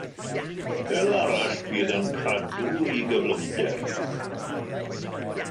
Fel arall bydd yn cadw ei gyflymder.